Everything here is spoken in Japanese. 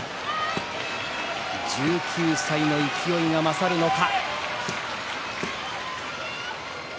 １９歳の勢いが勝るのか。